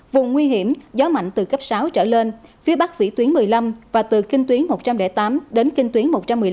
vùng nguy hiểm gió mạnh từ cấp sáu trở lên phía bắc vĩ tuyến một mươi năm và từ kinh tuyến một trăm linh tám đến kinh tuyến một trăm một mươi năm